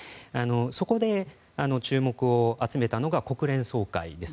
そこで注目を集めたのが国連総会です。